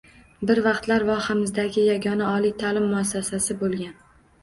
Bir vaqtlar vohamizdagi yagona oliy taʼlim muassasasi bo'lgan